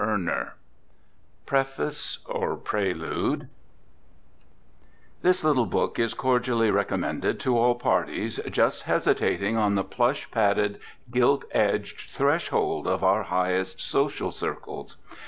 _This little book is cordially recommended to all parties just hesitating on the plush padded, gilt edged threshold of our highest social circles.